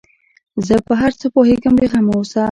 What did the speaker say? زه په هر څه پوهېږم بې غمه اوسه.